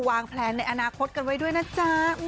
แพลนในอนาคตกันไว้ด้วยนะจ๊ะ